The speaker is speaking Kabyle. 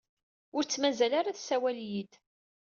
Ur tt-mazal ara tessawal yid-i.